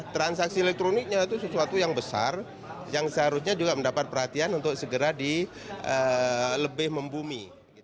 transaksi elektroniknya itu sesuatu yang besar yang seharusnya juga mendapat perhatian untuk segera lebih membumi